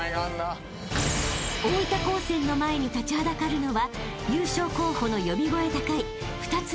［大分高専の前に立ちはだかるのは優勝候補の呼び声高い２つのロボット］